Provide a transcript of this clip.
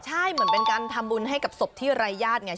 ใช่เหมือนเป็นการทำบุญให้กับศพที่รายญาติไง